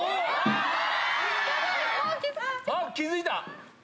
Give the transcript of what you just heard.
あっ、気付いた。